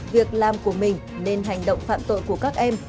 việc làm của mình nên hành động phạm tội của các em